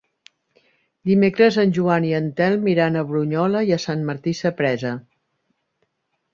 Dimecres en Joan i en Telm iran a Brunyola i Sant Martí Sapresa.